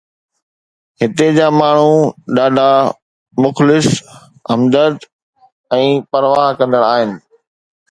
هتي جا ماڻهو ڏاڍا دوست، مخلص، همدرد ۽ پرواهه ڪندڙ آهن.